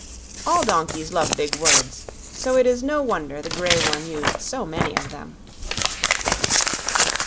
All donkeys love big words, so it is no wonder the grey one used so many of them.